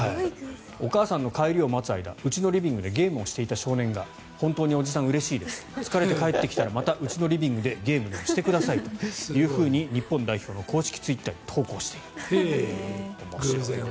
お母さんの帰りを待つ間うちのリビングでゲームをしていた少年が本当におじさん、うれしいです疲れて帰ってきたらまたうちのリビングでゲームでもしてくださいと日本代表の公式ツイッターに投稿している。